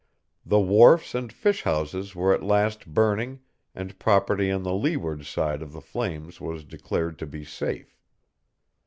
The wharfs and fish houses were at last burning and property on the leeward side of the flames was declared to be safe.